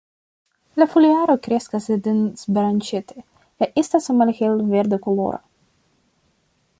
La foliaro kreskas dens-branĉete, kaj estas malhel-verde kolora.